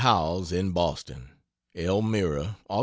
Howells, in Boston: ELMIRA, Aug.